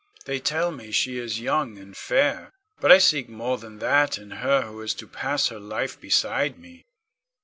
They tell me she is young and fair, but I seek more than that in her who is to pass her life beside me.